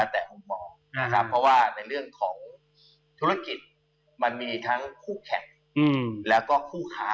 เพราะว่าในเรื่องของธุรกิจมันมีทั้งคู่แขกแล้วก็คู่ค้า